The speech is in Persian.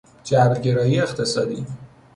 جبرگرایی اقتصادی